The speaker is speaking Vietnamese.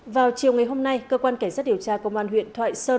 vào chiều ngày hôm nay cơ quan cảnh sát điều tra công an huyện thoại sơn